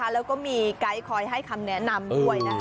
แล้วก็มีก้ายคอยให้คำแนะนำด้วย